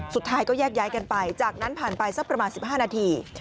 สุดท้ายก็แยกย้ายกันไปจากนั้นผ่านไปสักประมาณ๑๕นาที